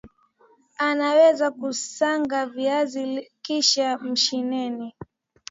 unaweza kuSaga viazi kishe mashineni